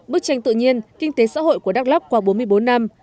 bức tranh tự nhiên kinh tế xã hội của đắk lắk qua bốn mươi bốn năm